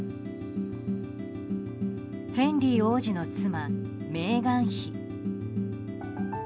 ヘンリー王子の妻メーガン妃。